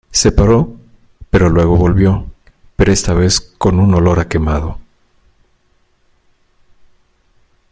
Se paró, pero luego volvió, pero esta vez con un olor a quemado.